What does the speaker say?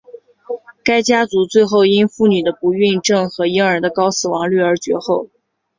该家族最后因妇女的不孕症和婴儿的高死亡率而绝后。